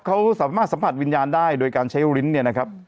เขาสามารถสัมผัสวิญญาณได้โดยการใช้ลิ้นเนี่ยนะครับ